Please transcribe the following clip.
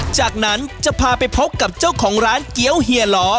จากนั้นจะพาไปพบกับเจ้าของร้านเกี้ยวเฮียล้อ